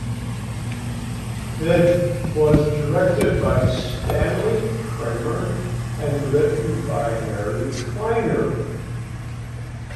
It was directed by Stanley Kramer and written by Harry Kleiner.